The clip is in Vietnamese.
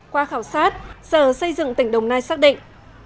qua khảo sát sở xây dựng tỉnh đồng nai xác định